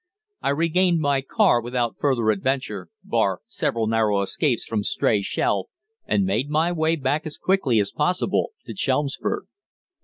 I regained my car without further adventure, bar several narrow escapes from stray shell, and made my way back as quickly as possible to Chelmsford.